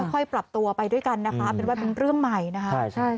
ค่อยปรับตัวไปด้วยกันนะคะเป็นว่าเป็นเรื่องใหม่นะคะ